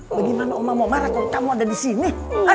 bagaimana oma mau marah kok kamu ada di sini